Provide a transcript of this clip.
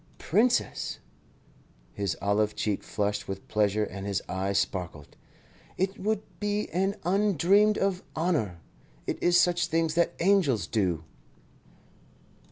"Princess!" His olive cheek flushed with pleasure and his eyes sparkled. "It would be an undreamed of honour. It is such things that angels do."